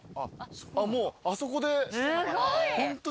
あっもうあそこでホントに。